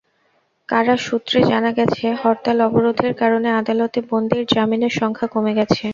কারা সূত্রে জানা গেছে, হরতাল-অবরোধের কারণে আদালতে বন্দীর জামিনের সংখ্যা কমে গেছে।